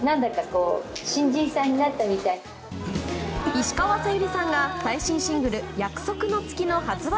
石川さゆりさんが最新シングル「約束の月」の発売